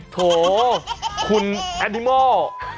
โถคุณแอนดิมอล